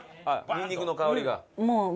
ニンニクの香りが？